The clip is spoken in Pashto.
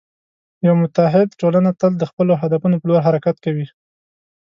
یوه متعهد ټولنه تل د خپلو هدفونو په لور حرکت کوي.